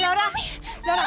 dari tidak mau